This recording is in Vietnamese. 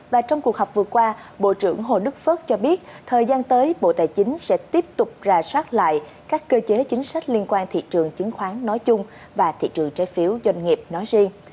và trong cuộc họp vừa qua bộ trưởng hồ nước phớt cho biết thời gian tới bộ tài chính sẽ tiếp tục rà soát lại các cơ chế chính sách liên quan thị trường chứng khoán nói chung và thị trường trái phiếu doanh nghiệp nói riêng